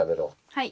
はい。